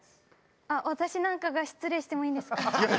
あっ私なんかが失礼してもいいんですかね？